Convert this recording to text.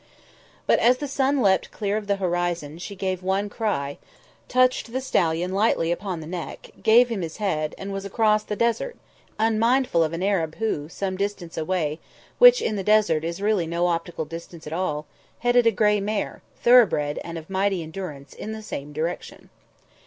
But as the sun leapt clear of the horizon, she gave one cry, touched the stallion lightly upon the neck, gave him his head, and was across the desert, unmindful of an Arab who, some distance away, which, in the desert, is really no optical distance at all, headed a grey mare, thoroughbred and of mighty endurance, in the same direction.